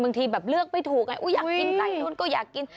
บางทีแบบเลือกไม่ถูกไงอยากกินไก่นู้นก็อยากกิน